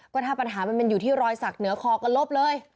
ก็ถ้าปัญหามันเป็นอยู่ที่รอยสักเหนือคอก็ลบเลย